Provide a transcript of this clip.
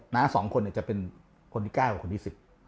น้า๒คนจะเป็นคนที่๙กับคนที่๑๐